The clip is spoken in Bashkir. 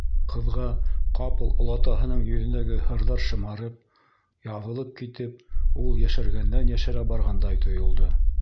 Ҡыҙға ҡапыл олатаһының йөҙөндәге һырҙар шымарып, яҙылып китеп ул йәшәргәндән-йәшәрә барғандай тойолдо.